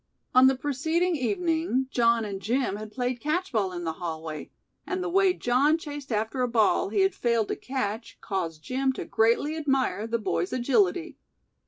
On the preceding evening John and Jim had played catch ball in the hallway and the way John chased after a ball he had failed to catch caused Jim to greatly admire the boy's agility.